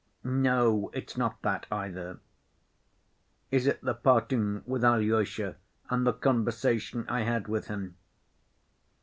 No, it's not that either. Is it the parting with Alyosha and the conversation I had with him?